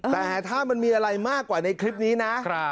แต่ถ้ามันมีอะไรมากกว่าในคลิปนี้นะ